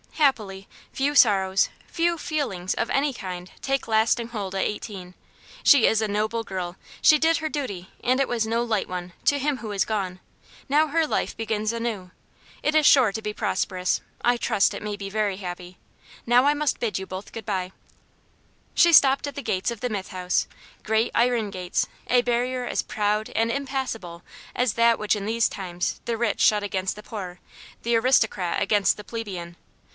Happily, few sorrows, few feelings of any kind, take lasting hold at eighteen. She is a noble girl. She did her duty, and it was no light one, to him who is gone; now her life begins anew. It is sure to be prosperous I trust it may be very happy. Now I must bid you both good bye." She stopped at the gates of the Mythe House; great iron gates, a barrier as proud and impassable as that which in these times the rich shut against the poor, the aristocrat against the plebeian.